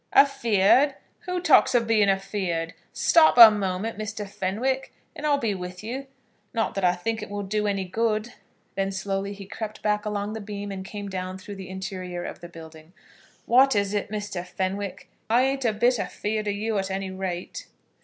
"Afeard! Who talks of being afeard? Stop a moment, Mr. Fenwick, and I'll be with you; not that I think it will do any good." Then slowly he crept back along the beam and came down through the interior of the building. "What is it, Mr. Fenwick? Here I am. I ain't a bit afeard of you at any rate."